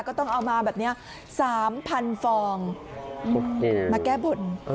ก็ต้องเอามาแบบนี้๓๐๐๐ฟองมาแก้บน